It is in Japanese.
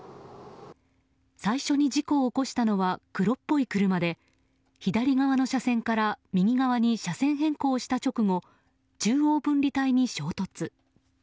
最初の事故を起こしたのは黒っぽい車で左側の車線から右側に車線変更をした直後中央分離帯に衝突。